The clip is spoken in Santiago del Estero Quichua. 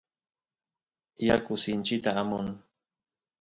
yaku sinchita amun